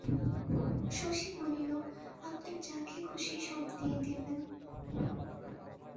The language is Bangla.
শশী বলিল, আপনার যাকে খুশি সব দিয়ে দেবেন।